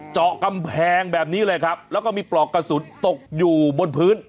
เจาะกำแพงแบบนี้เลยครับแล้วก็มีปลอกกระสุนตกอยู่บนพื้น